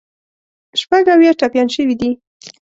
شپږ اویا ټپیان شوي دي.